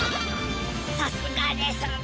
さすがです